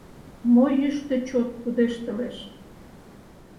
Мо йӱштӧ чот пудештылеш?